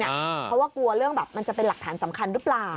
เพราะว่ากลัวเรื่องแบบมันจะเป็นหลักฐานสำคัญหรือเปล่า